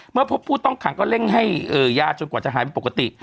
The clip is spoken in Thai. เมื่อพบผู้ต้องขังก็เร่งให้ยาจนกว่าจะหายเป็นปกติ